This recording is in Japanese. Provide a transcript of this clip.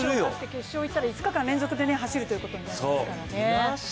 決勝いったら５日間連続で走ることになりますからね。